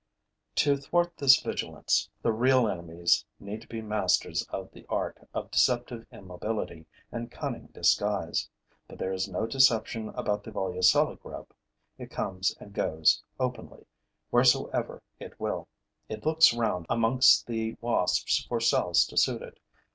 To thwart this vigilance, the real enemies need to be masters of the art of deceptive immobility and cunning disguise. But there is no deception about the Volucella grub. It comes and goes, openly, wheresoever it will; it looks round amongst the wasps for cells to suit it.